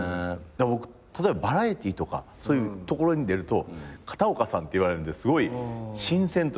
僕例えばバラエティーとかそういうところに出ると「片岡さん」って言われるんですごい新鮮というか。